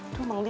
tuh mama liat